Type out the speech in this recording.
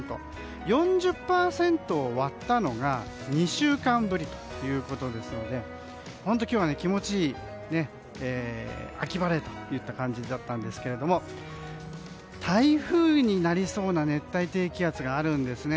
４０％を割ったのが２週間ぶりということですので本当に今日は気持ちいい秋晴れといった感じだったんですが台風になりそうな熱帯低気圧があるんですね。